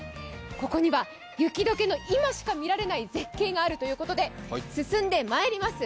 ここには、雪解けの今しか見られない絶景があるということで進んでまいります。